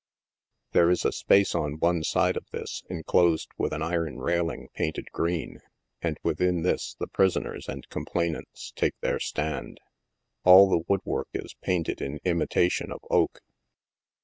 There is a space on one side of this, en closed with an iron railing painted green, and within this the pris oners and _ complainants take their stand. All the woodwork is painted in imitation of oak.